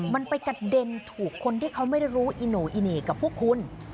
มันไปกระเด็นถูกคนที่เขาไม่ได้รู้อิโน่อีเหน่กับพวกคุณ